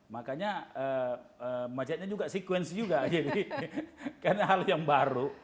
makanya macetnya juga sekuens juga karena hal yang baru